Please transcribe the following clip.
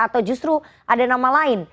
atau justru ada nama lain